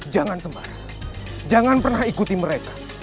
jangan sebar jangan pernah ikuti mereka